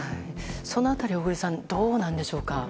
その辺り、小栗さんどうなんでしょうか？